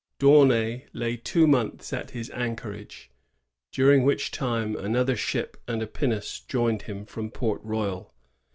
D'Aunay lay two months at his anchorage, during which time another ship and a pinnace joined him from Port Royal.